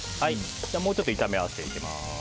もうちょっと炒め合わせていきます。